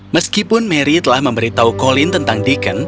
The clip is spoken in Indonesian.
meskipun mary telah memberitahu colin tentang deacon